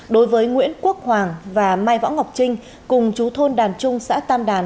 đối với nguyễn quốc hoàng và mai võ ngọc trinh cùng chú thôn đàn trung xã tam đàn